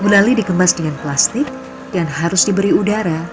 gunali dikemas dengan plastik dan harus diberi udara